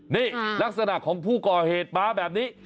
นี่ลักษณะของผู้ก่อเหตุมาแบบนี้